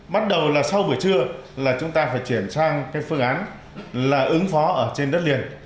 bắt đầu là sau buổi trưa là chúng ta phải chuyển sang cái phương án là ứng phó ở trên đất liền